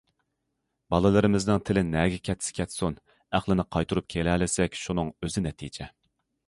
بالىلىرىمىزنىڭ تىلى نەگە كەتسە كەتسۇن ئەقلىنى قايتۇرۇپ كېلەلىسەك شۇنىڭ ئۆزى نەتىجە.